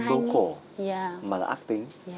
biểu cổ mà là ác tính